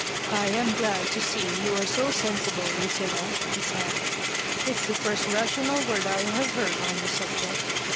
<'I am glad to see you are so sensible, Lucilla." he said. " It's the first rational word I have heard on the subject.